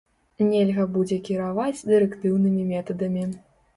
Нельга будзе кіраваць дырэктыўнымі метадамі.